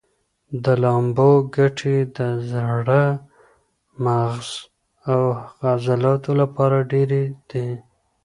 د لامبو ګټې د زړه، مغز او عضلاتو لپاره ډېرې دي.